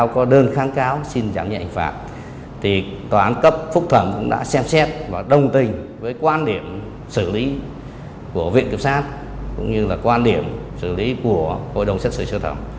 cũng như là quan điểm xử lý của hội đồng xét xử sơ thẩm